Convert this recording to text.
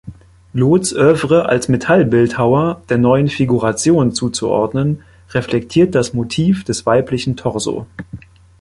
Loths Œuvre als Metallbildhauer, der Neuen Figuration zuzuordnen, reflektiert das Motiv des weiblichen Torso.